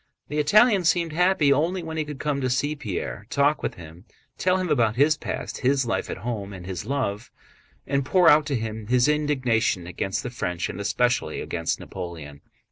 The Italian seemed happy only when he could come to see Pierre, talk with him, tell him about his past, his life at home, and his love, and pour out to him his indignation against the French and especially against Napoleon.